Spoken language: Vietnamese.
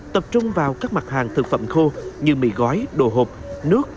tập trung vào các mặt hàng thực phẩm khô như mì gói đồ hộp nước